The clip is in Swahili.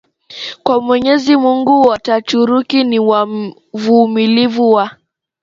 kwa Mwenyezi Mungu Waturuki ni wavumilivu wa